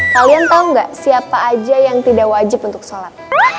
kalian tahu nggak siapa aja yang tidak wajib untuk sholat